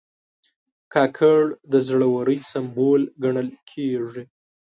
کاکړ د زړه ورۍ سمبول ګڼل کېږي.